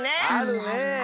あるねえ。